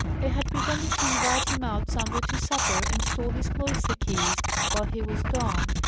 They had pretended to invite him out somewhere to supper, and stole his cloister keys while he was gone.